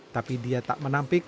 tapi dia tak menampilkan